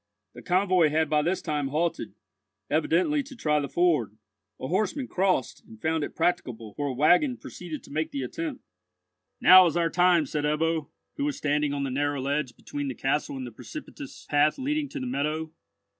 The convoy had by this time halted, evidently to try the ford. A horseman crossed, and found it practicable, for a waggon proceeded to make the attempt. "Now is our time," said Ebbo, who was standing on the narrow ledge between the castle and the precipitous path leading to the meadow.